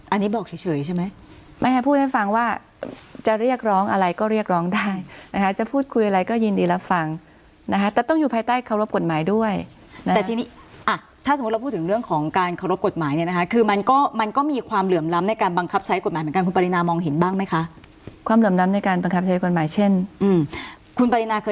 อันนี้บอกเฉยใช่ไหมไม่ให้พูดให้ฟังว่าจะเรียกร้องอะไรก็เรียกร้องได้นะคะจะพูดคุยอะไรก็ยินดีรับฟังนะคะแต่ต้องอยู่ภายใต้เคารพกฎหมายด้วยแต่ทีนี้อ่ะถ้าสมมุติเราพูดถึงเรื่องของการเคารพกฎหมายเนี่ยนะคะคือมันก็มันก็มีความเหลื่อมล้ำในการบังคับใช้กฎหมายเหมือนกันคุณปรินามองเห็นบ้างไหมคะความเหลื่อมล้ำในการบังคับใช้กฎหมายเช่นคุณปรินาค